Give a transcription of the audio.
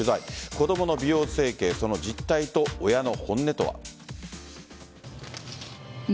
子供の美容整形その実態と親の本音とは。